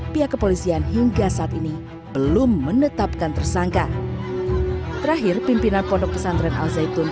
pihak kepolisian hingga saat ini belum menetapkan tersangka terakhir pimpinan pondok pesantren al zaitun